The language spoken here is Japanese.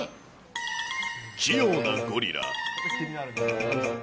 器用なゴリラ。